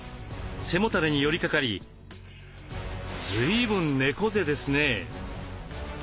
背もたれに寄りかかりずいぶん猫背ですね。